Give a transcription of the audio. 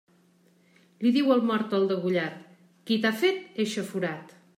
Li diu el mort al degollat, qui t'ha fet eixe forat?